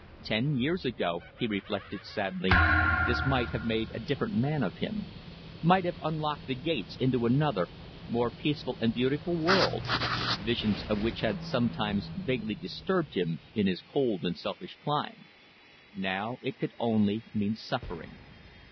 Ten years ago, he reflected sadly, this might have made a different man of him, might have unlocked the gates into another, more peaceful and beautiful world, visions of which had sometimes vaguely disturbed him in his cold and selfish climb. Now it could only mean suffering.